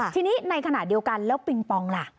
ทีนี้ในขณะเดียวกันแล้วปิงปองล่ะ